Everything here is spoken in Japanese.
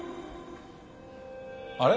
あれ？